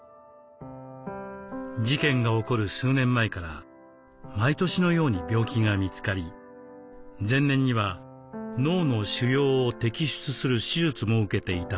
事件が起こる数年前から毎年のように病気が見つかり前年には脳の腫瘍を摘出する手術も受けていたのです。